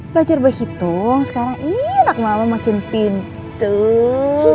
belajar berhitung sekarang iiih nak mama makin pintuur